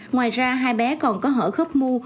ngoài ra hai bé còn có hở khớp mu